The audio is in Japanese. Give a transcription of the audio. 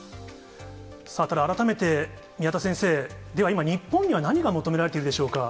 さあ、ただ、改めて宮田先生、では今、日本には何が求められているでしょうか？